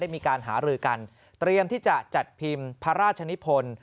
มีการหารือกันเตรียมที่จะจัดพิมพ์พระราชนิพล